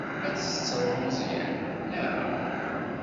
Ad tettreḍ Meẓyan, naɣ?